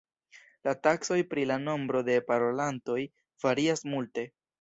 La taksoj pri la nombro de parolantoj varias multe.